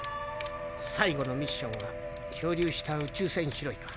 最後のミッションは漂流した宇宙船拾いか。